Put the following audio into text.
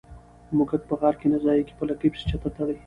ـ موږک په غار کې نه ځايږي، په لکۍ پسې چتر تړي.